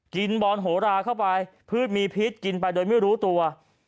บอนโหราเข้าไปพืชมีพิษกินไปโดยไม่รู้ตัว